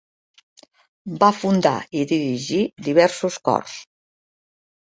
Va fundar i dirigir diversos cors.